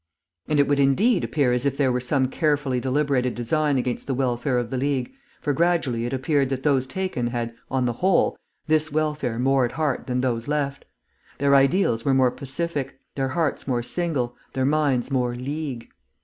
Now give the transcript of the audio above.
And it would indeed appear as if there were some carefully deliberated design against the welfare of the League, for gradually it appeared that those taken had, on the whole, this welfare more at heart than those left; their ideals were more pacific, their hearts more single, their minds more League.